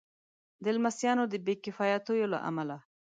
د لمسیانو د بې کفایتیو له امله.